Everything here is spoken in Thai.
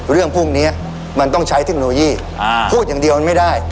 เรื่องพวกนี้มันต้องใช้เทคโนโลยีพูดอย่างเดียวมันไม่ได้